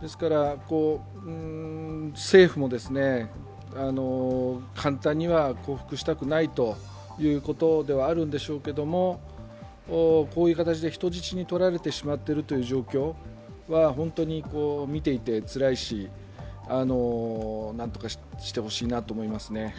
ですから、政府も簡単には降伏したくないということではあるんでしょうけども、こういう形で人質にとられてしまっているという状況は本当に見ていてつらいしなんとかしてほしいなと思いますね。